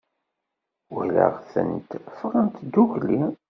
Walaɣ-tent ffɣent ddukkli.